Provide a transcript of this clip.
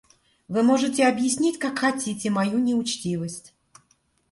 Вы можете объяснить как хотите мою неучтивость.